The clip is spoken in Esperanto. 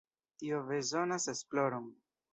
Tio bezonas esploron.